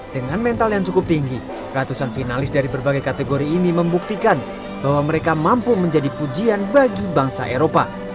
dengan mental yang cukup tinggi ratusan finalis dari berbagai kategori ini membuktikan bahwa mereka mampu menjadi pujian bagi bangsa eropa